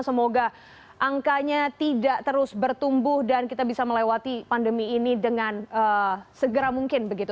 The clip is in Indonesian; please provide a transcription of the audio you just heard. semoga angkanya tidak terus bertumbuh dan kita bisa melewati pandemi ini dengan segera mungkin begitu